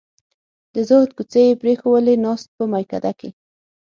د زهد کوڅې یې پرېښوولې ناست په میکده کې